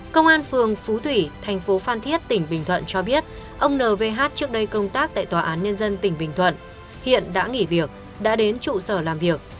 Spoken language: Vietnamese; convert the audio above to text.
công an phường phú thủy thành phố phan thiết tỉnh bình thuận cho biết ông n v h trước đây công tác tại tòa án nhân dân tỉnh bình thuận hiện đã nghỉ việc đã đến trụ sở làm việc